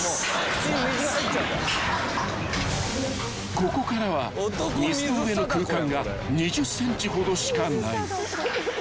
［ここからは水の上の空間が２０ｃｍほどしかない］